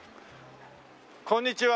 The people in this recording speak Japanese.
こんにちは。